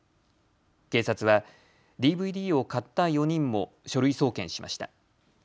警察はＤＶＤを買った４人も書類送検しました。